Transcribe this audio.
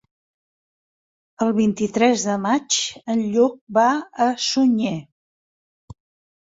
El vint-i-tres de maig en Lluc va a Sunyer.